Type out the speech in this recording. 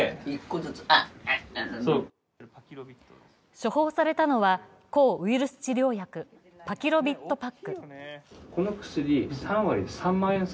処方されたのは抗ウイルス治療薬・パキロビッドパック。